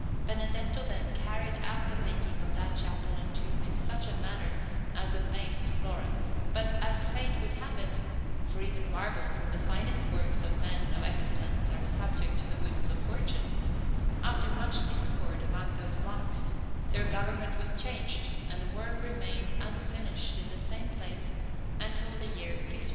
Benedetto, then, carried out the making of that chapel and tomb in such a manner as amazed Florence; but, as Fate would have it for even marbles and the finest works of men of excellence are subject to the whims of fortune after much discord among those monks, their government was changed, and the work remained unfinished in the same place until the year 1530.